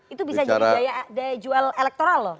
itu bisa jadi daya jual elektoral loh